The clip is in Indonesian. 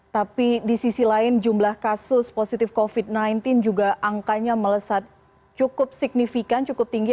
tapi di sisi lain jumlah kasus positif covid sembilan belas juga angkanya melesat cukup signifikan cukup tinggi